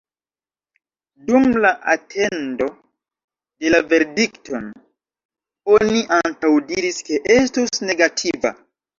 Dum la atendo de la verdikton oni antaŭdiris ke estus negativa.